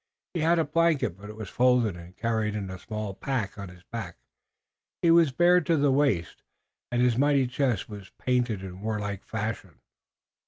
He had a blanket but it was folded and carried in a small pack on his back. He was bare to the waist and his mighty chest was painted in warlike fashion.